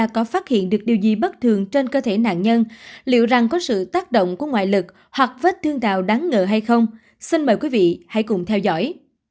các bạn có sự tác động của ngoại lực hoặc vết thương tạo đáng ngờ hay không xin mời quý vị hãy cùng theo dõi